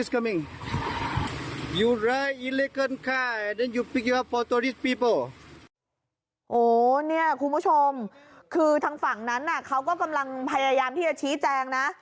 โอ้โหเนี่ยคุณผู้ชมคือทางฝั่งนั้นเขาก็กำลังพยายามที่จะชี้แจงนะ